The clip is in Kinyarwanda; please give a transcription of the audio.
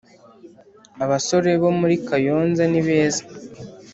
Abasore bo muri kayonza nibeza